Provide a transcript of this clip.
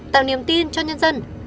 tạo niềm tin cho nhân dân